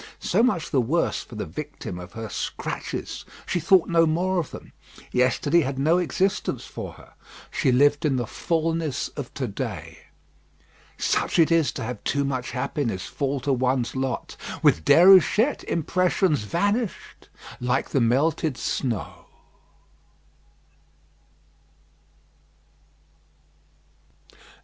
So much the worse for the victim of her scratches. She thought no more of them. Yesterday had no existence for her. She lived in the fullness of to day. Such it is to have too much happiness fall to one's lot! With Déruchette impressions vanished like the melted snow.